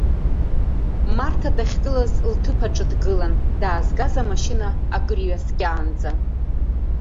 Марҭа дахьгылаз лҭыԥ аҿы дгылан, даазгаз амашьына акыр иҩаскьаанӡа.